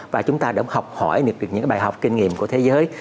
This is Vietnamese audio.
và chúng ta đã học hỏi được những bài học kinh nghiệm của thế giới